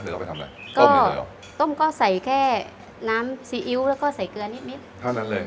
เราไปทำอะไรต้มก็ใส่แค่น้ำซีอิ๊วแล้วก็ใส่เกลือนิดนิดเท่านั้นเลย